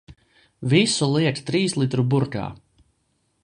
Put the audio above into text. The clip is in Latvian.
Visu liek trīslitru burkā.